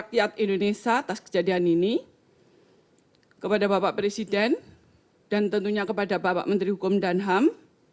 rakyat indonesia atas kejadian ini kepada bapak presiden dan tentunya kepada bapak menteri hukum dan ham